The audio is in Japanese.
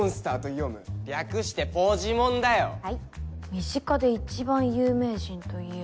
身近で一番有名人といえば。